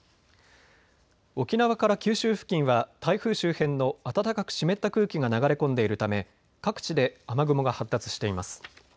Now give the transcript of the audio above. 沖縄から九州付近は台風周辺の暖かく湿った空気が流れ込んでいるため各地で雨雲が発達しています。